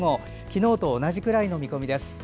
昨日と同じくらいの見込みです。